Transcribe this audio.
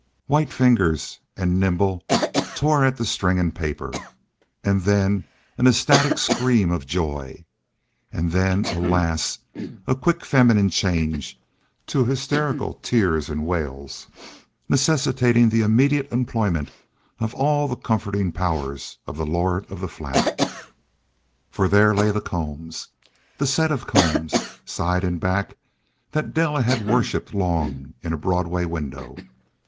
White fingers and nimble tore at the string and paper. And then an ecstatic scream of joy; and then, alas! a quick feminine change to hysterical tears and wails, necessitating the immediate employment of all the comforting powers of the lord of the flat. For there lay The Combs—the set of combs, side and back, that Della had worshipped long in a Broadway window.